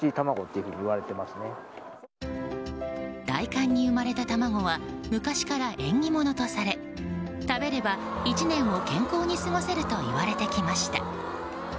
大寒に産まれた卵は昔から縁起物とされ食べれば１年を健康に過ごせると言われてきました。